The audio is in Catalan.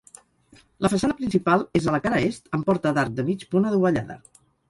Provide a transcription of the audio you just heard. La façana principal és a la cara est, amb porta d'arc de mig punt adovellada.